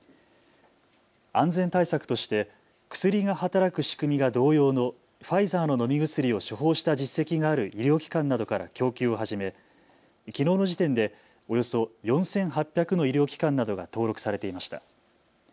安全対策として薬が働く仕組みが同様のファイザーの飲み薬を処方した実績がある医療機関などから供給を始めきのうの時点でおよそ４８００の医療機関などが登録されていました。